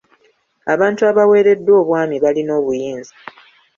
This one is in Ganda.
Abantu abaweereddwa obwami balina obuyinza.